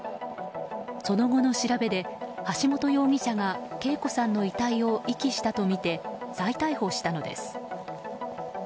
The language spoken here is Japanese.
その後の調べで、橋本容疑者が啓子さんの遺体を遺棄したとみて再逮捕したのです。